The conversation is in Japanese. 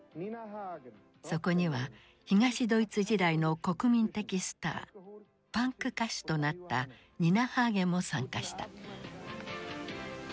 そこには東ドイツ時代の国民的スターパンク歌手となったニナ・ハーゲンも参加した。